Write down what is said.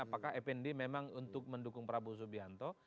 apakah ife nisimbolo memang untuk mendukung prabowo subianto